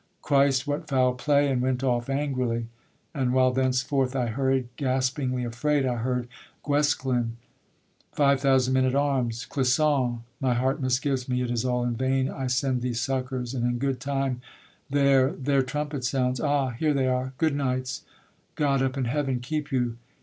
Christ, what foul play! And went off angrily; and while thenceforth I hurried gaspingly afraid, I heard: Guesclin; Five thousand men at arms; Clisson. My heart misgives me it is all in vain I send these succours; and in good time there Their trumpet sounds: ah! here they are; good knights, God up in Heaven keep you.